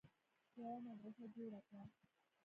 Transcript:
يوه مدرسه جوړه کړه